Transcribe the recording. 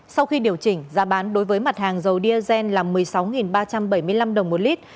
sau khi điều chỉnh giá bán đối với mặt hàng dầu diesel là một mươi sáu ba trăm bảy mươi năm đồng một lít